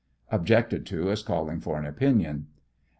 [Objected to as calling for an opinion.